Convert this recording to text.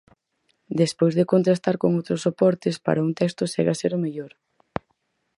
Despois de contrastar con outros soportes, para un texto segue a ser o mellor.